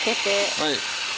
はい。